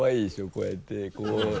こうやってこう。